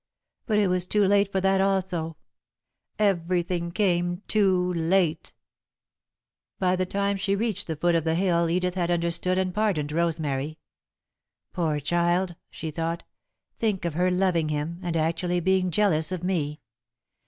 But it was too late for that also everything came too late! By the time she reached the foot of the hill Edith had understood and pardoned Rosemary. "Poor child," she thought. "Think of her loving him, and actually being jealous of me!